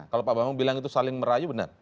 kalau pak bambang bilang itu saling merayu benar